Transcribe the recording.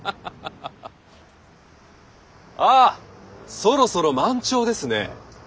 あっそろそろ満潮ですね。